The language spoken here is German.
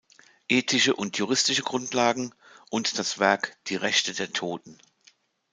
Ethische und juristische Grundlagen" und das Werk "Die Rechte der Toten".